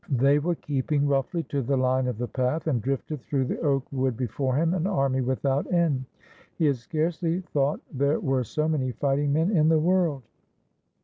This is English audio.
They were keeping roughly to the line of the path, and drifted through the oak wood before him, an army without end. He had scarcely thought there were so many fighting men in the world.